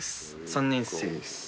３年生です。